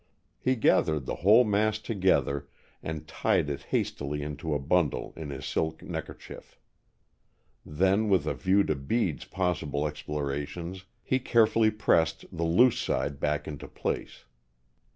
He gathered the whole mass together, and tied it hastily into a bundle in his silk neckerchief. Then, with a view to Bede's possible explorations, he carefully pressed the loose side back into place.